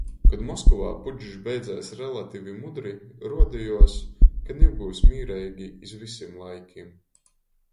Kod Moskovā pučs beidzēs relativi mudri, ruodejuos, ka niu byus mīreigi iz vysim laikim.